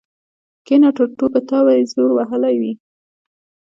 کېنه ټرتو په تا به يې زور وهلی وي.